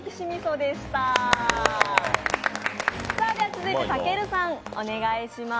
続いてたけるさん、お願いします。